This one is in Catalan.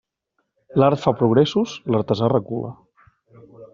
L'art fa progressos, l'artesà recula.